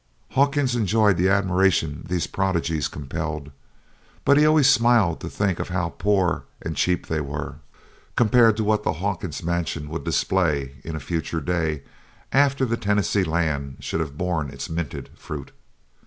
Hawkins enjoyed the admiration these prodigies compelled, but he always smiled to think how poor and cheap they were, compared to what the Hawkins mansion would display in a future day after the Tennessee Land should have borne its minted fruit.